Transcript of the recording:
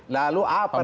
lalu apa dasarnya